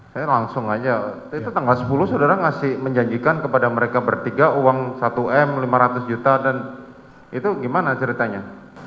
saya langsung aja itu tanggal sepuluh saudara ngasih menjanjikan kepada mereka bertiga uang satu m lima ratus juta dan itu gimana ceritanya